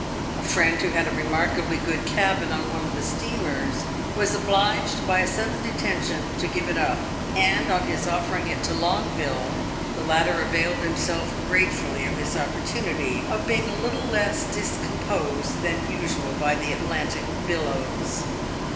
A friend who had a remarkably good cabin on one of the steamers was obliged by a sudden detention to give it up, and on his offering it to Longueville, the latter availed himself gratefully of this opportunity of being a little less discomposed than usual by the Atlantic billows.